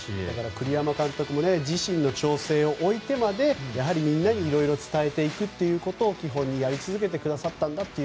栗山監督も自身の調整を置いてまでみんなにいろいろ伝えていくことを基本にやり続けてくださったんだと。